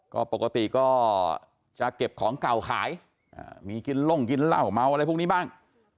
ก็ปกติก็จะเก็บของเก่าขายมีกินล่งกินเหล้าเมาอะไรพวกนี้บ้าง